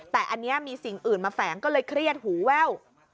แต่อันนี้มีสิ่งอื่นมาแฝงก็เลยเครียดหูแว่ว